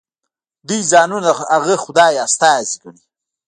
دوی ځانونه د هغه خدای استازي ګڼي.